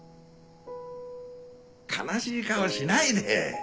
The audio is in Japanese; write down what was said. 悲しい顔しないで。